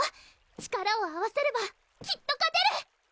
力を合わせればきっと勝てる！